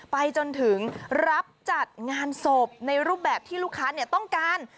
ไปจนถึงรับจัดงานศพในรูปแบบที่ลูกค้าต้องการ